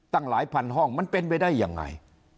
ตั้งหลายพันห้องมันเป็นไปได้ยังไง